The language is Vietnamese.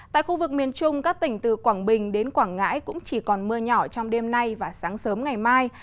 tại khu vực miền trung các tỉnh từ quảng bình đến quảng ngãi cũng chỉ còn mưa nhỏ trong đêm nay và sáng sớm ngày mai